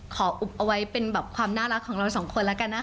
อุ๊บเอาไว้เป็นแบบความน่ารักของเราสองคนแล้วกันนะคะ